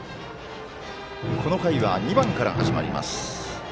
この回は２番から始まります。